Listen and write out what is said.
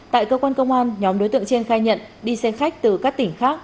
tại cơ quan công an nhóm đối tượng trên khai nhận đi xe khách từ các tỉnh khác